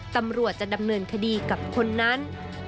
ตำรวจจะดำเนินคดีกับคนนั้น